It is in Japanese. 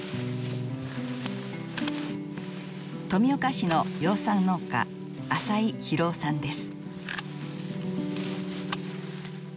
富岡市の養蚕農家浅井広大さんです。